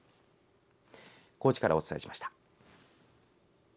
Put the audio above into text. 高知からお伝えしました。